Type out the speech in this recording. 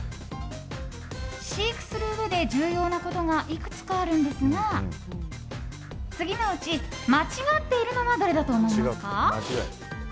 飼育するうえで重要なことがいくつかあるのですが次のうち間違っているのはどれだと思いますか？